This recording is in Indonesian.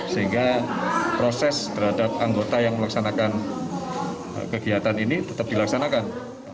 sehingga proses terhadap anggota yang melaksanakan kegiatan ini tetap dilaksanakan